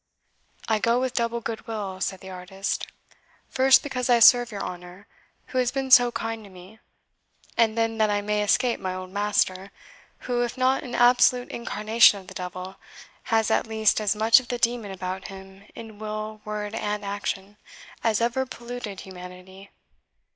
"I go with double good will," said the artist, "first, because I serve your honour, who has been so kind to me; and then, that I may escape my old master, who, if not an absolute incarnation of the devil, has, at least, as much of the demon about him, in will, word, and action; as ever polluted humanity.